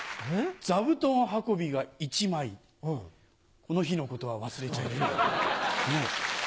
座布団運びが１枚この日の事は忘れちゃいけない。